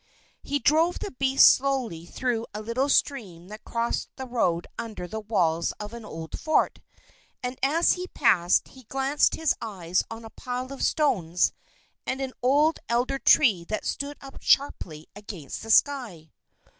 He drove the beast slowly through a little stream that crossed the road under the walls of an old fort; and as he passed, he glanced his eyes on a pile of stones and an old elder tree that stood up sharply against the sky.